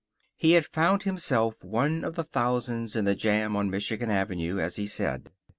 He had found himself one of the thousands in the jam on Michigan Avenue, as he said.